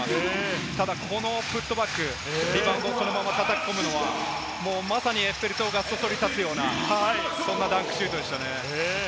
ただ、このフットワーク、リバウンドをそのまま叩き込めるのは、まさにエッフェル塔がそそり立つような、そんなダンクシュートでしたね。